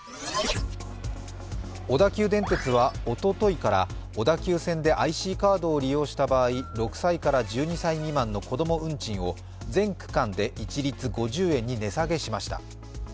小田急電鉄はおとといから小田急線でＩＣカードを利用した場合、６歳から１２歳未満のこども運賃を全区間で一律５０円に値下げしました。